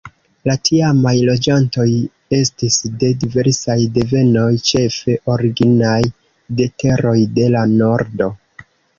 La tiamaj loĝantoj estis de diversaj devenoj, ĉefe originaj de teroj de la nordo.